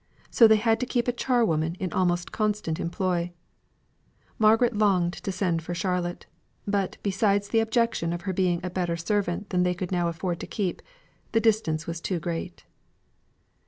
So they had to keep a charwoman in almost constant employ. Margaret longed to send for Charlotte; but besides the objection of her being a better servant than they now could afford to keep, the distance was too great.